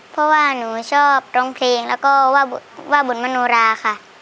เพราะว่าหนูชอบร้องเพลงแล้วก็ว่าบุญมโนราค่ะ